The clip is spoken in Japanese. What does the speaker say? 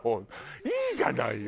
いいじゃないよ